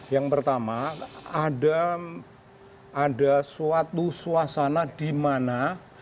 yang pertama ada suatu suasana di mana